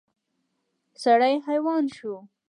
سړی حیران شو.